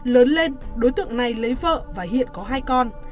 lớn lên đối tượng này lấy vợ và hiện có hai con